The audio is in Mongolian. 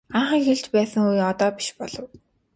Анх эхэлж байсан үе одоо биш болов.